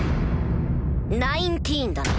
ナインティーンだな。